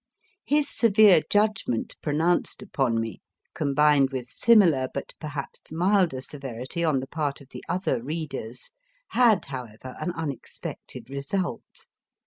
His severe judgment pronounced upon me, combined with similar, but perhaps milder, severity on the part of the other readers, had, however, an unexpected result.